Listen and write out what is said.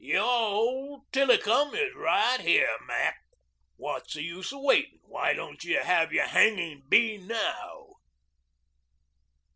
"Your old tillicum is right here, Mac. What's the use of waiting? Why don't you have your hanging bee now?"